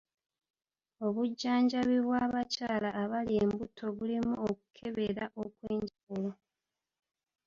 Obujjanjabi bw'abakyala abali embuto bulimu okukebera okw'enjawulo.